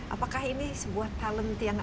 apakah ini sebuah talent yang